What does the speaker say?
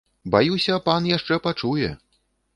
Баюся, пан яшчэ пачуе!